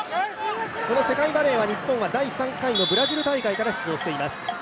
この世界バレーは日本は第３回のブラジル大会から出場しています。